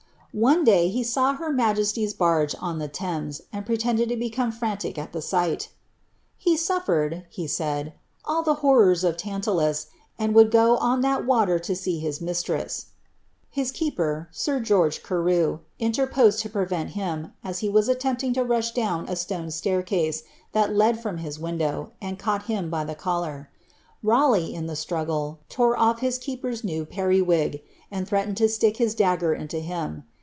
One day he saw her majesiy's barge on the Thames, and preic of MonmouUi. BLIIABBTH. 143 eeome frantic at the sight ^ He suffered,^ he said, ^ all the horrors rantalua, and would go on that water to see hia mistreaa." Hia ler, air George Carew, interposed to prevent him, as he was attempt to mah down a stone staircase that led from hia window, and caught by the collar. Raleigh, in the struggle, tore off hia keeper's new wig, and threatened to stick his dagger into him.